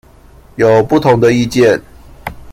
有不同的意見